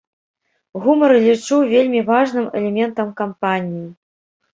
Гумар лічу вельмі важным элементам кампаніі.